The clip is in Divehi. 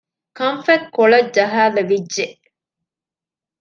ކަންފަތް ކޮޅަށް ޖަހައިލެވިއްޖެ